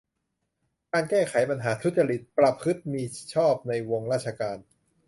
การแก้ไขปัญหาทุจริต ประพฤติมิชอบในวงราชการ